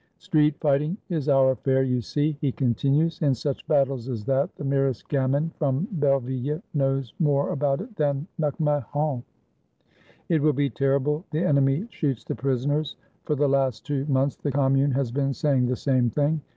— Street fighting is our affair, you see," he con tinues. "In such battles as that, the merest gamin from Belleville knows more about it than MacMahon. ... It will be terrible. The enemy shoots the prisoners." (For the last two months the Commune had been saying the same thing.)